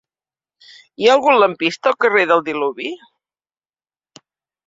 Hi ha algun lampista al carrer del Diluvi?